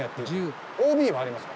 ＯＢもありますか？